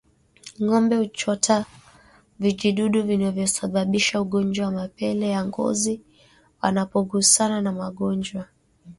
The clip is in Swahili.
Ngombe huchota vijidudu vinavyosababisha ugonjwa wa mapele ya ngozi wanapogusana na wagonjwa